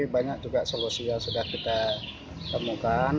banyaklah masalah yang sudah kami temukan